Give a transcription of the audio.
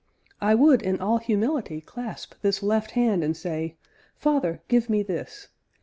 I would in all humility clasp this left hand and say, 'Father, give me this!